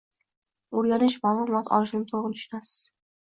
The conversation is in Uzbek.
Oʻrganish maʼlum vaqt olishini toʻgʻri tushunasiz.